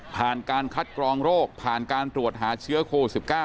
การคัดกรองโรคผ่านการตรวจหาเชื้อโควิด๑๙